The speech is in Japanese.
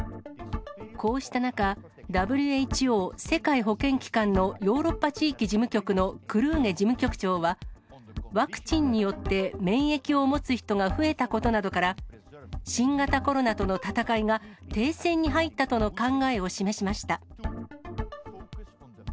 こうした中、ＷＨＯ・世界保健機関のヨーロッパ地域事務局のクルーゲ事務局長は、ワクチンによって免疫を持つ人が増えたことなどから、新型コロナとの闘いが停戦に入ったとの考えを示しました。